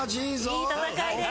いい戦いです。